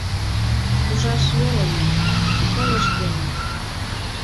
Ужаш веле мо — полыш дене.